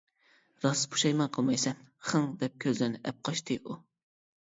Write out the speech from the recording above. -راست پۇشايمان قىلمايسەن؟ -خىڭ. دەپ كۆزلىرىنى ئەپقاچتى ئۇ.